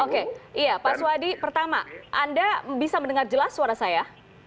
oke iya pak swadi pertama anda bisa mendengar jelas suara saya